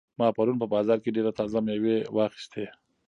ما پرون په بازار کې ډېرې تازه مېوې واخیستې.